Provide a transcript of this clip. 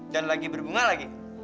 dan lagi berbunga lagi